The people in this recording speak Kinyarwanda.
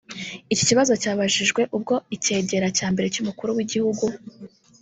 Iki kibazo cyabajijwe ubwo icyegera cya mbere cy’umukuru w’igihugu